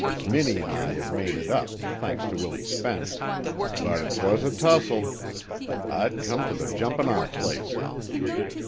Minnie an' I have made it up, thanks to Willie Spence, but 'twas a tussle. I'd come to the jumpin' off place."